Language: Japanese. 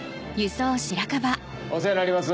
お世話になります。